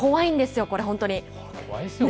怖いですよね。